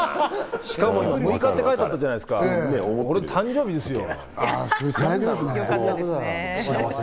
しかも今、６日って書いてあったじゃないですか、俺、誕生日ですよ。